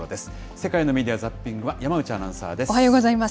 世界のメディア・ザッピングは山内アナウンサーです。